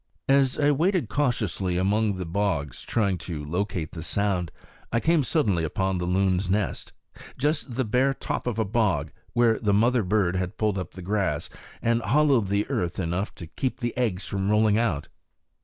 As I waded cautiously among the bogs, trying to locate the sound, I came suddenly upon the loon's nest just the bare top of a bog, where the mother bird had pulled up the grass and hollowed the earth enough to keep the eggs from rolling out.